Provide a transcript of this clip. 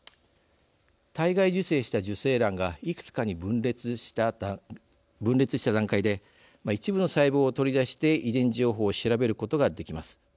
体外受精した受精卵がいくつかに分裂した段階で一部の細胞を取り出して遺伝情報を調べることができます。